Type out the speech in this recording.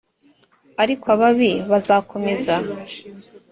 ariko ababi bazakomeza